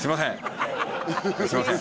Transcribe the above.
すみません！